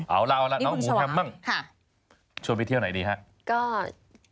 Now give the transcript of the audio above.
เอาล่ะน้องหูแพม่มั่งชวนไปเที่ยวไหนดีค่ะนี่คุณชวา